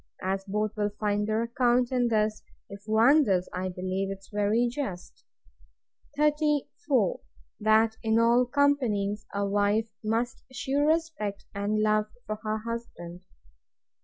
As both will find their account in this, if one does, I believe 'tis very just. 34. That in all companies a wife must shew respect and love to her husband.